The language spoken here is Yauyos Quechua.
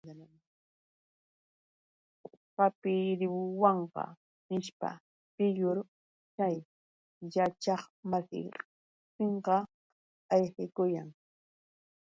¡Hapiruwanqa!, nishpa, piyur chay yachaqmasinqa ayqikuyan.